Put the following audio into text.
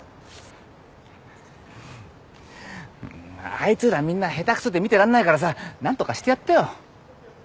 あいつらみんな下手くそで見てらんないからさ何とかしてやってよ。